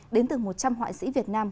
đến từ một trăm linh hoại sĩ việt nam